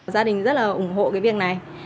gia đình rất là ủng hộ cái việc này